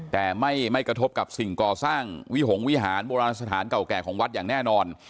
แต่ไม่กระทบกับสิ่งก่อสร้างวิหงษวิหารโบราณสถานเก่าแก่ของวัดอย่างแน่นอน